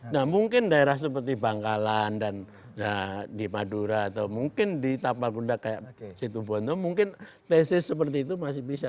nah mungkin daerah seperti bangkalan dan di madura atau mungkin di tapal kuda kayak situbondo mungkin tesis seperti itu masih bisa